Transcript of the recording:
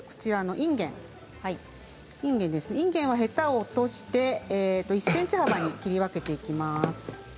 いんげんはヘタを落として１ｃｍ幅に切り分けていきます。